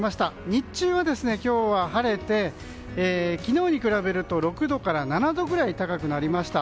日中は今日は晴れて昨日に比べると６度から７度ぐらい高くなりました。